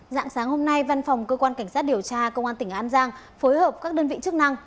dạng sáng hôm nay văn phòng cơ quan cảnh sát điều tra công an tỉnh an giang phối hợp các đơn vị chức năng